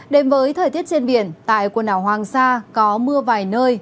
đến với thời tiết trên biển tại quần đảo hoàng sa có mưa vài nơi